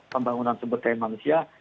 pembangunan sumber daya manusia